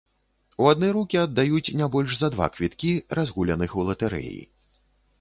У адны рукі аддаюць не больш за два квіткі, разгуляных у латарэі.